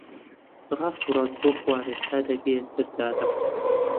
ڕاست و ڕاست بڕۆ خوارێ تا دەگەیە سەر جادە.